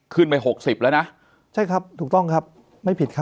ไปหกสิบแล้วนะใช่ครับถูกต้องครับไม่ผิดครับ